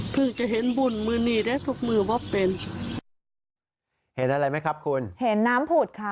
จะเห็นบุญมือนี้ได้ทุกมือว่าเป็นเห็นอะไรไหมครับคุณเห็นน้ำผุดค่ะ